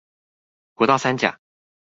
國道三甲